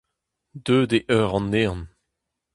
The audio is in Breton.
Deuet eo eur an ehan.